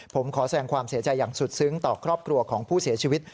ผมขอแสดงความเสียใจอย่างสุดซึ้งต่อครอบครัวของผู้เสียชีวิต